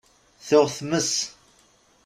Tuɣ tmes.